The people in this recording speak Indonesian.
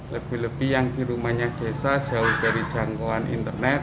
lebih lebih yang di rumahnya desa jauh dari jangkauan internet